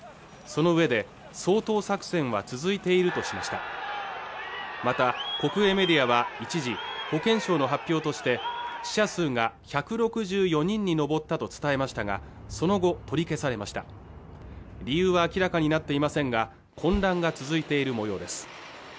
そのうえで掃討作戦は続いているとしましたまた国営メディアは一時保健省の発表として死者数が１６４人に上ったと伝えましたがその後取り消されました理由は明らかになっていませんが混乱が続いている模様です